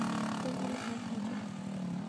跟他们谈条件